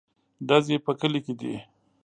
_ډزې په کلي کې دي.